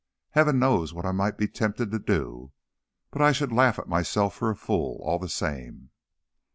Heaven knows what I might be tempted to do, but I should laugh at myself for a fool, all the same."